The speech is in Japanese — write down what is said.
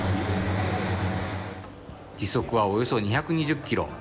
時速はおよそ２２０キロ。